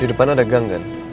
di depan ada gang kan